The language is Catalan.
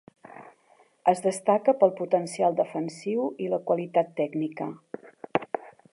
Es destaca pel potencial defensiu i la qualitat tècnica.